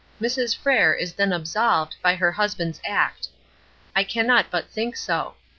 Mrs. Frere is then absolved, by her husband's act. I cannot but think so.